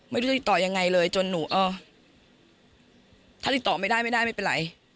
ไม่รู้จะติดต่อยังไงเลยถ้าติดต่อไม่ได้ไม่เป็นไร